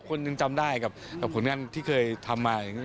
คนยังจำได้กับผลงานที่เคยทำมา